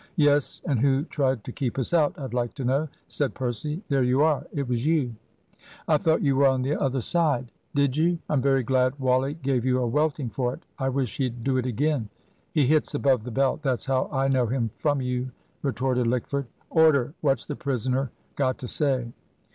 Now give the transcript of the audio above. "Yes; and who tried to keep us out, I'd like to know?" said Percy. "There you are, it was you!" "I thought you were on the other side." "Did you? I'm very glad Wally gave you a welting for it. I wish he'd do it again." "He hits above the belt, that's how I know him from you," retorted Lickford. "Order what's the prisoner got to say!"